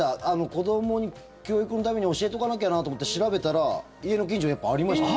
子どもに教育のために教えとかなきゃなと思って調べたらやっぱり家の近所にありました。